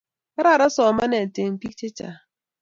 Kararan somanet en pik che chong